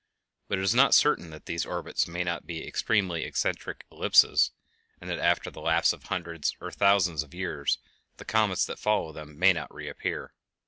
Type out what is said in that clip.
But it is not certain that these orbits may not be extremely eccentric ellipses, and that after the lapse of hundreds, or thousands, of years the comets that follow them may not reappear.